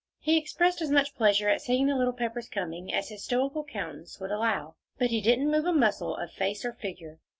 He expressed as much pleasure at seeing the little Peppers coming, as his stoical countenance would allow, but he didn't move a muscle of face or figure.